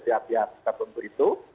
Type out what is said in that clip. pihak pihak kita tentu itu